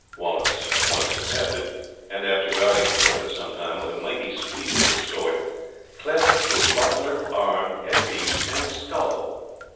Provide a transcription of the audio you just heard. Wallace at once accepted, and after guarding himself for some time, with a mighty sweep of his sword cleft through buckler, arm, headpiece, and skull.